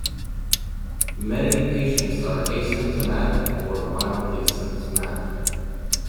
Many patients are asymptomatic or mildly symptomatic.